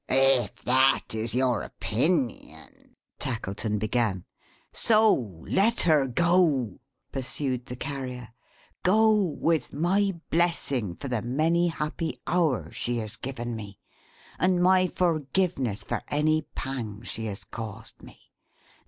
"If that is your opinion " Tackleton began. "So, let her go!" pursued the Carrier. "Go, with my blessing for the many happy hours she has given me, and my forgiveness for any pang she has caused me.